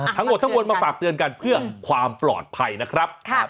ทั้งหมดทั้งมวลมาฝากเตือนกันเพื่อความปลอดภัยนะครับ